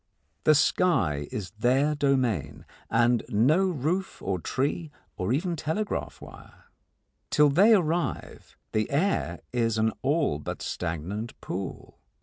The sky is their domain, and no roof or tree or even telegraph wire. Till they arrive the air is an all but stagnant pool.